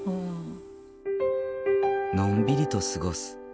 のんびりと過ごす。